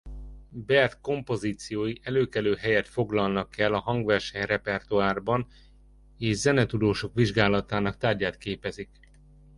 Baird kompozíciói előkelő helyet foglalnak el a hangverseny repertoárban és zenetudósok vizsgálatának tárgyát képezik.